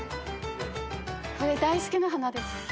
これ大好きな花です。